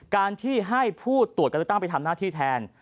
การที่ให้ผู้ตรวจการเลือกตั้งไปทำหน้าที่แทน